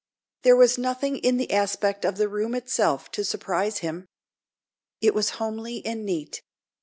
There was nothing in the aspect of the room itself to surprise him. It was homely and neat.